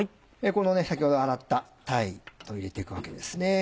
この先ほど洗った鯛入れて行くわけですね。